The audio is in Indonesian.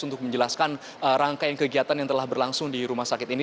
untuk menjelaskan rangkaian kegiatan yang telah berlangsung di rumah sakit ini